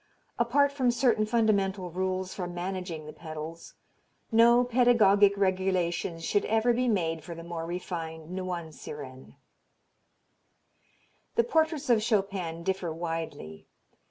Apart from certain fundamental rules for managing the pedals, no pedagogic regulations should ever be made for the more refined nuances. The portraits of Chopin differ widely.